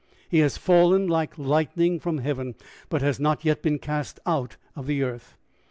He has fallen like lightning from heaven, but has not yet been cast out of the earth.